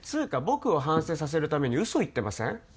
僕を反省させるためにウソ言ってません？